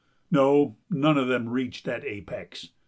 No, none of them reached that apex.